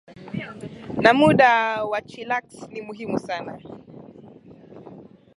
na muda wa chillax ni muhimu sana